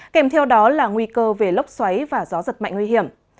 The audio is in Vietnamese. kèm theo đó là nguy cơ về lốc xoáy và gió giật mạnh nguy hiểm